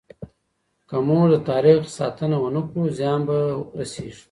که موږ د تاريخ ساتنه ونه کړو، زيان به رسيږي.